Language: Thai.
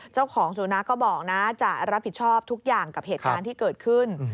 เจ้าของสุนัขก็บอกนะจะรับผิดชอบทุกอย่างกับเหตุการณ์ที่เกิดขึ้น